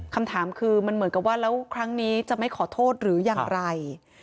คำถามคือมันเหมือนกับว่าแล้วครั้งนี้จะไม่ขอโทษหรืออย่างไร